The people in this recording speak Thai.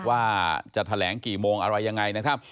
ว่าจะแถลงกี่โมงอะไรยังไงนะครับ